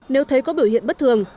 nếu thấy có biểu hiện bất thường